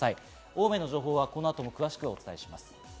大雨の情報は、この後も詳しくお伝えします。